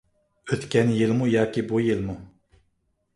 ئۆتكەن يىلمۇ ياكى بۇ يىلمۇ؟